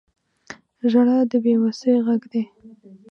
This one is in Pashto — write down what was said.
• ژړا د بې وسۍ غږ دی.